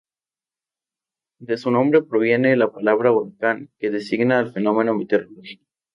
De su nombre proviene la palabra huracán que designa al fenómeno meteorológico.